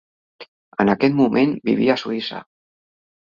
En aquest moment vivia a Suïssa.